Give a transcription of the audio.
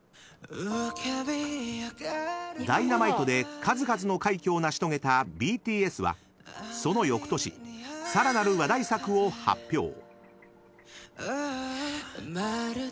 ［『Ｄｙｎａｍｉｔｅ』で数々の快挙を成し遂げたＢＴＳはそのよくとしさらなる話題作を発表］